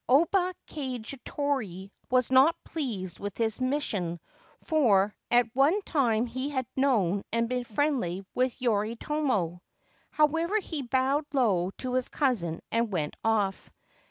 Oba Kagetoki was not pleased with his mission, for at one time he had known and been friendly with Yoritomo. However, he bowed low to his cousin and went off.